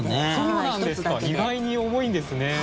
意外に重いんですね。